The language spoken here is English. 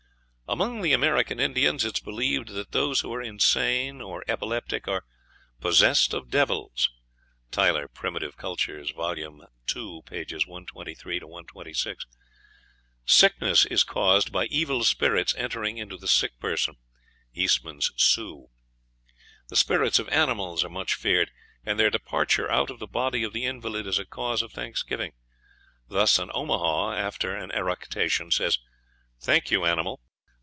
Among the American Indians it is believed that those who are insane or epileptic are "possessed of devils." (Tylor, "Prim. Cult.," vol. ii., pp. 123 126.) Sickness is caused by evil spirits entering into the sick person. (Eastman's "Sioux.") The spirits of animals are much feared, and their departure out of the body of the invalid is a cause of thanksgiving. Thus an Omaha, after an eructation, says, "Thank you, animal."